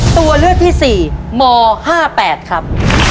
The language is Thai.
ตัวเลือกที่๔ม๕๘ครับ